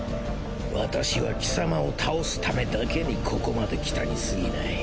私は貴様を倒すためだけにここまで来たにすぎない。